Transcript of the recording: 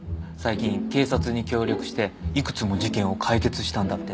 最近警察に協力していくつも事件を解決したんだってね。